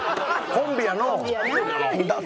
コンビやのう！